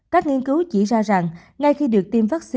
các nghiên cứu chỉ ra rằng ngay khi được tiêm vaccine đủ hai mũi